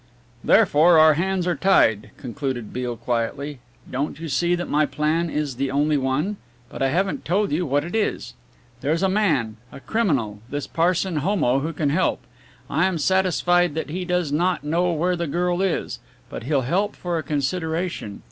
"Therefore our hands are tied," concluded Beale quietly. "Don't you see that my plan is the only one but I haven't told you what it is. There's a man, a criminal, this Parson Homo who can help; I am satisfied that he does not know where the girl is but he'll help for a consideration.